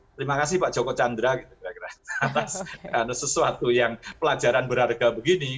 terima kasih pak joko chandra gitu kira kira atas sesuatu yang pelajaran berharga begini